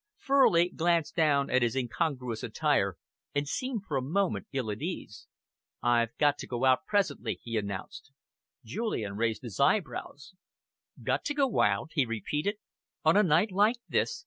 Furley glanced down at his incongruous attire and seemed for a moment ill at ease. "I've got to go out presently," he announced. Julian raised his eyebrows. "Got to go out?" he repeated. "On a night like this?